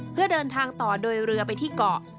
เพื่อเดินทางต่อโดยเรือไปที่เกาะ